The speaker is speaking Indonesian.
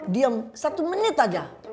diam satu menit aja